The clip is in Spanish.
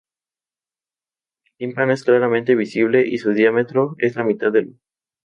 El tímpano es claramente visible y su diámetro es la mitad del ojo.